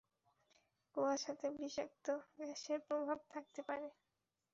কুয়াশাতে বিষাক্ত গ্যাসের প্রভাব থাকতে পারে!